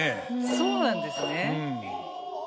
そうなんですね。